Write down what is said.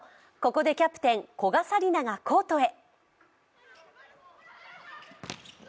ここでキャプテン・古賀紗理那がコートへ。